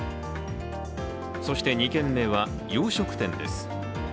そして２軒目は洋食店です。